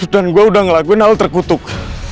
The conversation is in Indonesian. dan gua udah ngelakuin hal terkutuk